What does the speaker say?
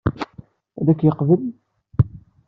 Ad k-yeqbel?